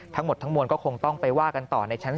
ทั้งหมดทั้งมวลก็คงต้องไปว่ากันต่อ